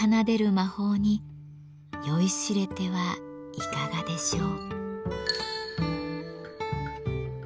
魔法に酔いしれてはいかがでしょう？